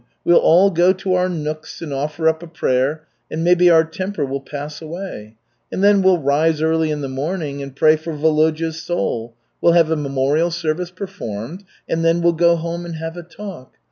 We'll all go to our nooks and offer up a prayer, and maybe our temper will pass away. And then we'll rise early in the morning and pray for Volodya's soul. We'll have a memorial service performed, and then we'll go home and have a talk.